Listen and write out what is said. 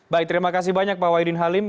baik terima kasih banyak pak wahidin halim